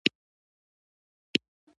ساده سټایل وېښتيان ساتي.